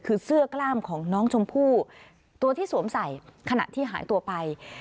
คือเสื้อกล้ามของน้องชมพู่ตัวที่สวมใส่ขณะที่หายตัวไป